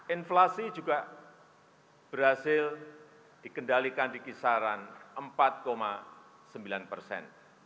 inflasi juga berhasil dikendalikan di kisaran empat sembilan persen